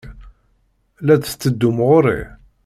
La d-tetteddum ɣer-i?